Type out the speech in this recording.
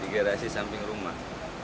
di garasi samping rumah